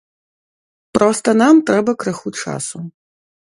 Проста нам трэба крыху часу.